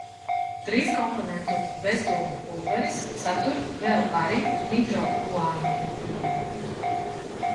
Trīskomponentu bezdūmu pulveris satur vēl arī nitroguanidīnu.